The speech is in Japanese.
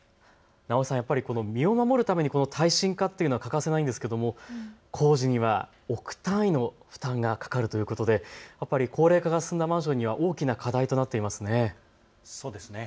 直井さん、身を守るために耐震化というのは欠かせないんですけれども工事には億単位の負担がかかるということで高齢化が進むマンションには大きな課題となっていますね。